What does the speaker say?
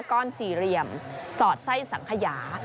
ก้อนสี่เหลี่ยมสอดไส้สังขยา